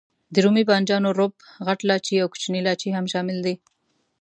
د رومي بانجانو روب، غټ لاچي او کوچنی لاچي هم شامل دي.